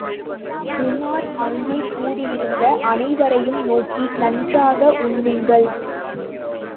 உமார் அங்கே கூடியிருந்த அனைவரையும் நோக்கி, நன்றாக உண்ணுங்கள்!